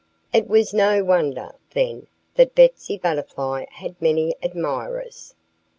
It was no wonder, then, that Betsy Butterfly had many admirers.